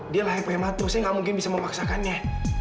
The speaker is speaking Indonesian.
dia lahir prematur saya gak mungkin bisa memaksakannya